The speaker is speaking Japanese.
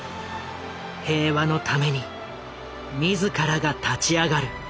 平和のために自らが立ち上がる。